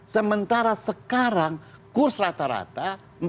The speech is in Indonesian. sementara sekarang kurs rata rata empat belas lima ratus